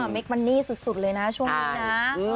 เมคมันนี่สุดเลยนะช่วงนี้นะ